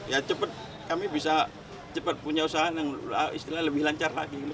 ya cepat kami bisa cepat punya usaha yang istilahnya lebih lancar lagi